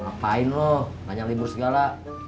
ngapain loh banyak libur segala